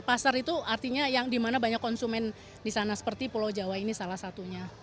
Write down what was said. pasar itu artinya yang dimana banyak konsumen di sana seperti pulau jawa ini salah satunya